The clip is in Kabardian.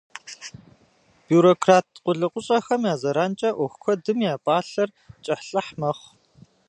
Бюрократ къулыкъущӏэхэм я зэранкӏэ ӏуэху куэдым я пӏалъэр кӏыхьлӏыхь мэхъу.